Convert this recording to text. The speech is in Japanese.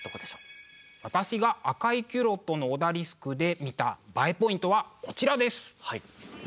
私が「赤いキュロットのオダリスク」で見たＢＡＥポイントはこちらです！